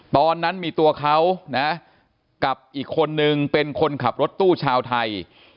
ตอนนั้นมีตัวเขานะกับอีกคนนึงเป็นคนขับรถตู้ชาวไทย